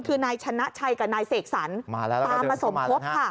คือนายชนะชัยกับนายเสกสรรมาแล้วตามมาสมทบค่ะ